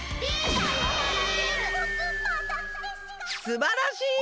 すばらしい！